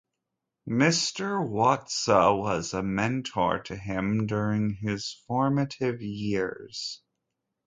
Mr. Watsa was a mentor to him during his formative years.